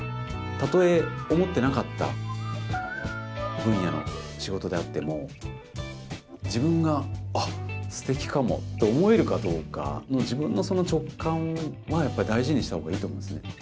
たとえ思ってなかった分野の仕事であっても自分が「あっすてきかも」と思えるかどうかの自分のその直感はやっぱり大事にした方がいいと思うんですね。